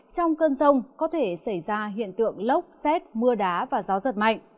trong cơn rông có thể xảy ra hiện tượng lốc xét mưa đá và gió gió